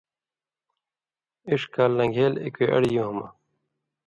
اِݜ کال لن٘گھیلیۡ اېکوئ اڑیۡ یُوں مہ